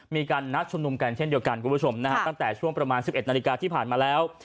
มีการนัดชุมนุมกันเช่นเดียวกันคุณผู้ชมนะฮะตั้งแต่ช่วงประมาณ๑๑นาฬิกาที่ผ่านมาแล้ว